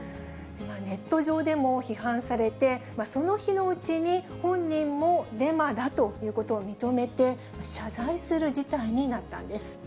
ネット上でも批判されて、その日のうちに、本人もデマだということを認めて謝罪する事態になったんです。